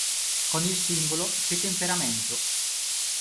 Con il singolo "che temperamento!